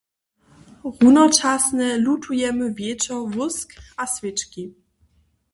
Runočasnje lutujemy wječor wósk a swěčki.